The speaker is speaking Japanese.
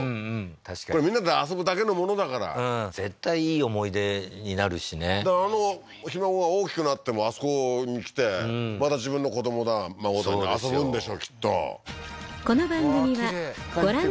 確かにこれみんなで遊ぶだけのものだから絶対いい思い出になるしねあのひ孫が大きくなってもあそこに来てまた自分の子どもだ孫と遊ぶんでしょきっと